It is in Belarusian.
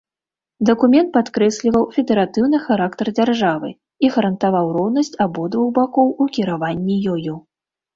Дакумент падкрэсліваў федэратыўны характар дзяржавы і гарантаваў роўнасць абодвух бакоў у кіраванні ёю.